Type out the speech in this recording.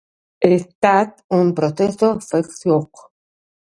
Ha estat un procés feixuc?